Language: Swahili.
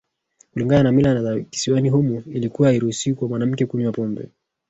Kulingana na mila za Kisiwani humo ilikua hairuhusiwi kwa mwanamke kunywa pombe